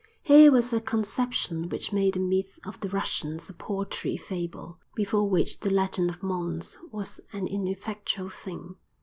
Here was a conception which made the myth of "The Russians" a paltry fable; before which the Legend of Mons was an ineffectual thing.